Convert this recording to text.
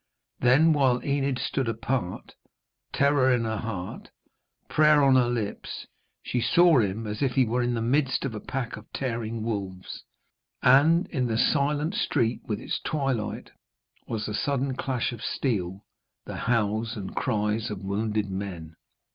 Then, while Enid stood apart, terror in her heart, prayer on her lips, she saw him as if he were in the midst of a pack of tearing wolves, and in the silent street with its twilight was the sudden clash of steel, the howls and cries of wounded men.